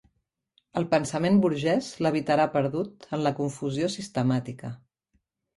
El pensament burgès levitarà perdut en la confusió sistemàtica.